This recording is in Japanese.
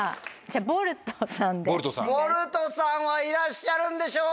ボルトさんはいらっしゃるんでしょうか？